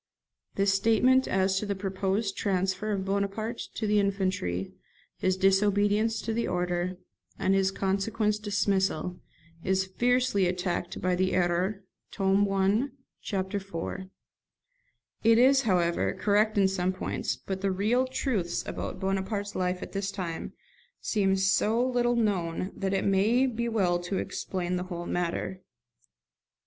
[This statement as to the proposed transfer of Bonaparte to the infantry, his disobedience to the order, and his consequent dismissal, is fiercely attacked in the 'Erreurs', tome i. chap. iv. It is, however, correct in some points; but the real truths about Bonaparte's life at this time seem so little known that it may be well to explain the whole matter.